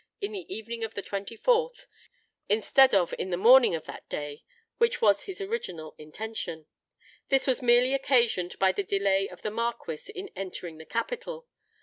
_in the evening of the 24th, instead of in the morning of that day, which was his original intention. This was merely occasioned by the delay of the Marquis in entering the capital.